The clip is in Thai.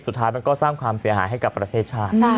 สุดท้ายมันก็สร้างความเสียหายให้กับประเทศชาติ